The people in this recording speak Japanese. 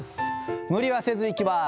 無理はせずいきます。